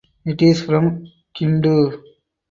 It is from Kindu.